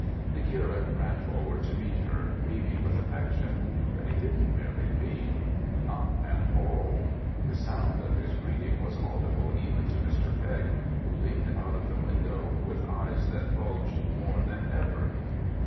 The curate ran forward to meet her, beaming with affection. But he didn't merely beam. Not at all. The sound of his greeting was audible even to Mr. Pegg, who leaned out of window, with eyes that bulged more than ever.